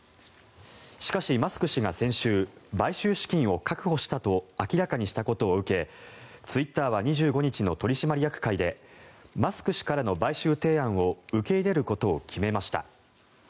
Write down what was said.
しかし、マスク氏が先週買収資金を確保したと明らかにしたことを受けツイッターは２５日の取締役会でマスク氏からの買収提案を受け入れることを決めました。